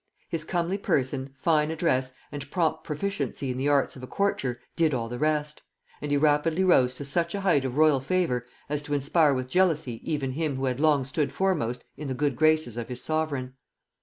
His comely person, fine address, and prompt proficiency in the arts of a courtier, did all the rest; and he rapidly rose to such a height of royal favor as to inspire with jealousy even him who had long stood foremost in the good graces of his sovereign.